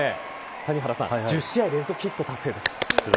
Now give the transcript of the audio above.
これで１０試合連続ヒット達成です。